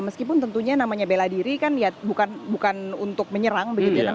meskipun tentunya namanya bela diri kan ya bukan untuk menyerang begitu ya